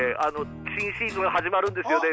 新シーズン始まるんですよね。